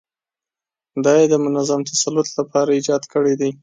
دا یې د منظم تسلط لپاره ایجاد کړي دي.